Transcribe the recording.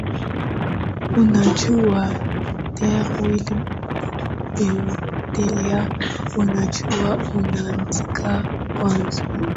unajua there will be delay unajua unaandika kwanza